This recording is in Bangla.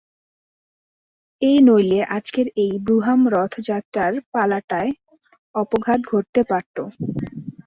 এ নইলে আজকের এই ব্রুহাম-রথযাত্রার পালাটায় অপঘাত ঘটতে পারত।